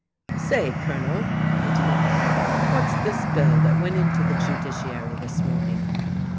"Say, Colonel," he demanded, "what's this bill that went into the judiciary this morning?"